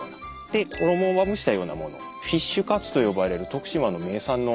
で衣をまぶしたような物フィッシュカツと呼ばれる徳島の名産の。